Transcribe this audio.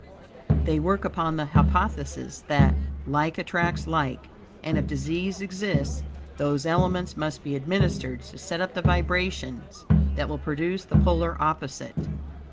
They work upon the hypothesis that, like attracts like, and, if disease exist, those elements must be administered to set up the vibrations that will produce the polar opposite.